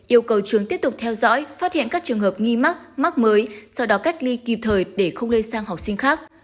yêu cầu trường tiếp tục theo dõi phát hiện các trường hợp nghi mắc mắc mới sau đó cách ly kịp thời để không lây sang học sinh khác